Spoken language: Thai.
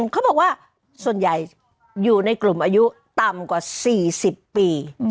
เขาบอกว่าส่วนใหญ่อยู่ในกลุ่มอายุต่ำกว่า๔๐ปี